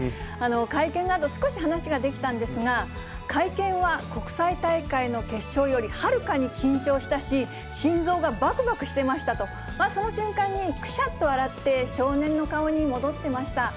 会見のあと、少し話ができたんですが、会見は国際大会の決勝よりはるかに緊張したし、心臓がばくばくしてましたと、その瞬間に、くしゃっと笑って、少年の顔に戻ってました。